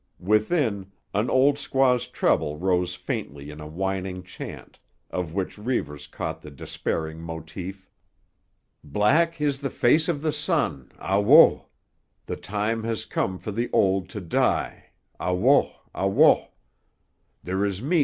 Within, an old squaw's treble rose faintly in a whining chant, of which Reivers caught the despairing motif: Black is the face of the sun, Ah wo! The time has come for the old to die. Ah wo, ah wo!